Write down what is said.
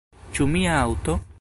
Ĉu mia aŭto?